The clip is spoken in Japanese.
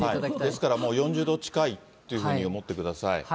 ですからもう４０度近いっていうふうに思ってください。